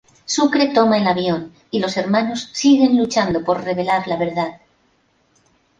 Sucre toma el avión y los hermanos siguen luchando por revelar la verdad.